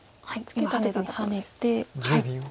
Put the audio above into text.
今ハネて。